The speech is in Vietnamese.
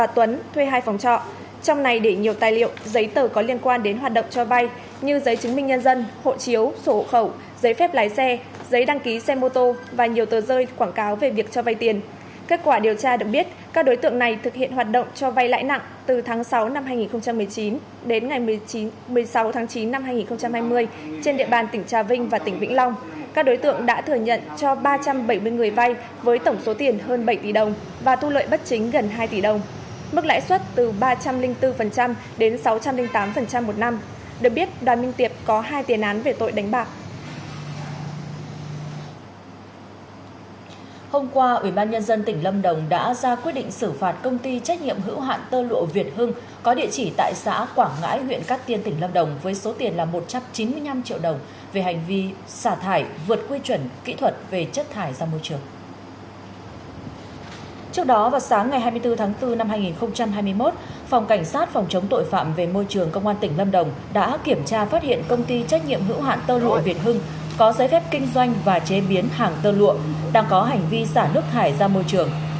trước đó vào sáng ngày hai mươi bốn tháng bốn năm hai nghìn hai mươi một phòng cảnh sát phòng chống tội phạm về môi trường công an tỉnh lâm đồng đã kiểm tra phát hiện công ty trách nhiệm hữu hạn tơ lụa việt hưng có giấy phép kinh doanh và chế biến hàng tơ lụa đang có hành vi xả nước thải ra môi trường